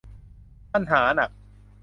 ปัญหาหนัก